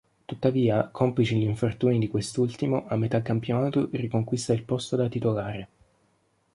Tuttavia, complici gli infortuni di quest'ultimo, a metà campionato riconquista il posto da titolare.